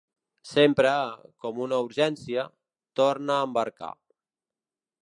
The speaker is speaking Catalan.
Sempre, com una urgència: tornar a embarcar.